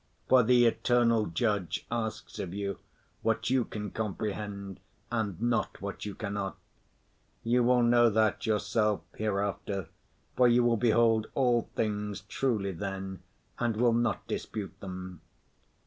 For the Eternal Judge asks of you what you can comprehend and not what you cannot. You will know that yourself hereafter, for you will behold all things truly then and will not dispute them.